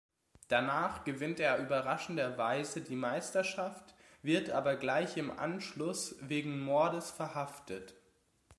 Danach gewinnt er überraschenderweise die Meisterschaft, wird aber gleich im Anschluss wegen Mordes verhaftet.